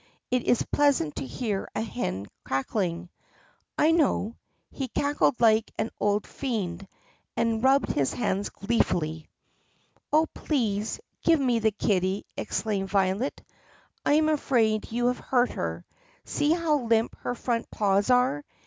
It is pleasant to hear a hen cackling. I know ! He cackled like an old fiend — and rubbed his hands gleefully. "Oh, please, give me the kitty!" exclaimed Violet. "I am afraid you have hurt her. See how limp her front paws are!